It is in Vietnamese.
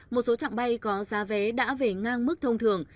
một số trạng bay có giá vé đã về ngang mức thông thường